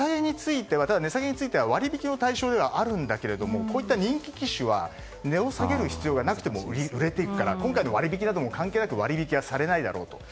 値下げについては割引の対象ではあるけどもこういった人気機種は値を下げる必要がなくても売れていくから今回の割引なども関係なく割引されないだろうと。